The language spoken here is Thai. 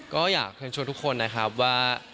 ก็อยากเชิญชวนทุกคนนะครับว่า